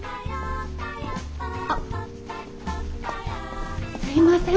あっすいません